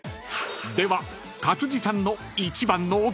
［では勝地さんの一番の］